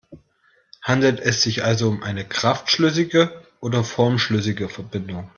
Handelt es sich also um eine kraftschlüssige oder formschlüssige Verbindung?